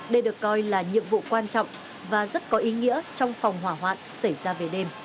đây được coi là nhiệm vụ quan trọng và rất có ý nghĩa trong phòng hỏa hoạn xảy ra về đêm